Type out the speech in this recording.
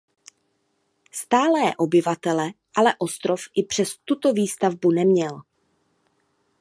Stálé obyvatele ale ostrov i přes tuto výstavbu neměl.